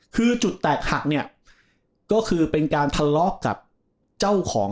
คือจุดแตกหักเนี่ยก็คือเป็นการทำรวป